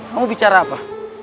kamu bicara apa